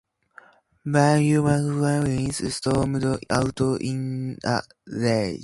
Bernie McLaughlin stormed out in a rage.